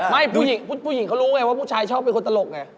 ผู้หญิงเขารู้ไงว่าผู้ชายชอบเป็นคนตลกไง